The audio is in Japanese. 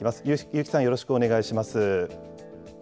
結城さん、よろしくお願いします。